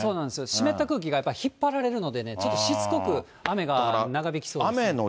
湿った空気が引っ張られるのでね、ちょっとしつこく雨が長引きそうですね。